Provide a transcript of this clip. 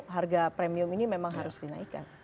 harga premium ini memang harus dinaikkan